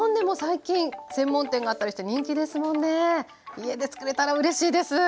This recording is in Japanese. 家でつくれたらうれしいです。